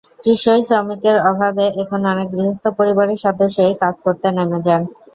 কৃষিশ্রমিকের অভাবে এখন অনেক গৃহস্থ পরিবারের সদস্যই কাজ করতে নেমে যান।